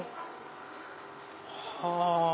はぁ！